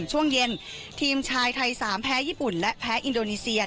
ช่วงเย็นทีมชายไทย๓แพ้ญี่ปุ่นและแพ้อินโดนีเซีย